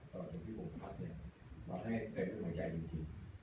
ตอนที่พี่โมพัดมาให้เต็มในตัวใจจริง